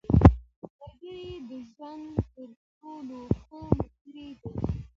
• ملګری د ژوند تر ټولو ښه ملګری دی.